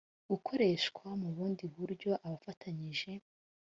gukoreshwa mu bundi buryo abafatanyije